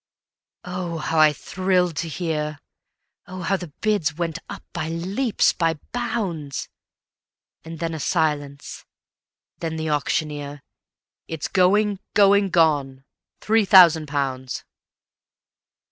Oh, how I thrilled to hear! Oh, how the bids went up by leaps, by bounds! And then a silence; then the auctioneer: "It's going! Going! Gone! _Three thousand pounds!